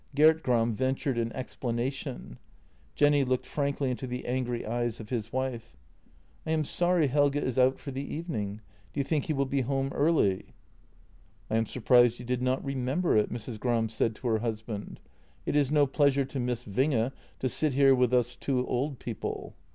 Gert Gram ventured an ex planation; Jenny looked frankly into the angry eyes of his wife: " I am sorry Helge is out for the evening. Do you think he will be home early? "" I am surprised you did not remember it," Mrs. Gram said to her husband. " It is no pleasure to Miss Winge to sit here with us two old people."